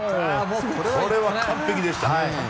これは完璧でした。